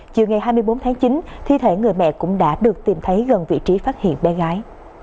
chiều ngày hai mươi bốn tháng chín thi thể người mẹ cũng đã được tìm thấy gần vị trí phát hiện bé gái